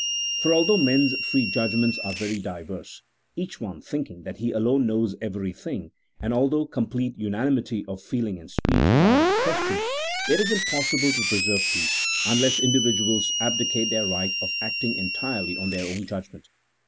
For, although men's free judgments are very diverse, each one thinking that he alone knows everything, and although complete unanimity of feeling and speech is out of the question, it is impossible to preserve peace, unless in dividuals abdicate their right of acting entirely on their own judgment.